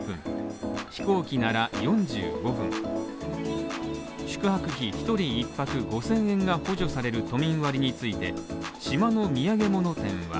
飛行機なら４５分宿泊費１人１泊５０００円が補助される都民割について、島の土産物店は